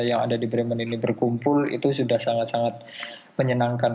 yang ada di bremen ini berkumpul itu sudah sangat sangat menyenangkan